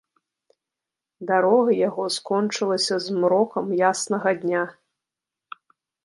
Дарога яго скончылася змрокам яснага дня.